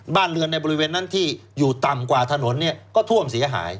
บ้านเรือนในบริเวณนั้นที่อยู่ต่ำกว่าถนนเนี่ยก็ท่วมเสียหาย